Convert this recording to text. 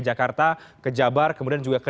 jakarta ke jabar kemudian juga ke